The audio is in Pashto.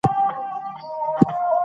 خوست ډیرې ښکلې تفریحې سیمې لرې